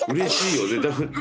うれしいよね。